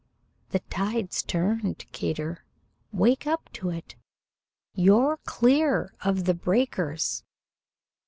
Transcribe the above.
"The tide's turned, Kater; wake up to it. You're clear of the breakers.